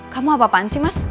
kamu apa apaan sih mas